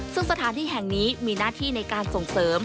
ซึ่งสถานที่แห่งนี้มีหน้าที่ในการส่งเสริม